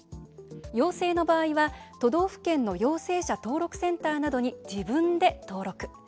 陽性の場合は都道府県の陽性者登録センターなどに「自分で」登録。